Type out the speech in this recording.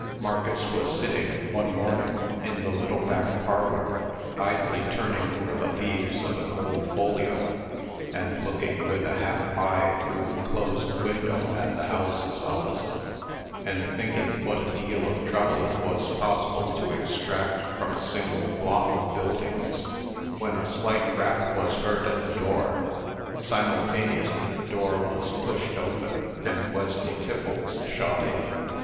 Marcus was sitting, one morning, in the little back parlor, idly turning over the leaves of an old folio, and looking with a half eye through the closed window at the houses opposite, and thinking what a deal of trouble it was possible to extract from a single block of buildings, when a slight rap was heard at the door. Simultaneously, the door was pushed open, and Wesley Tiffles shot in.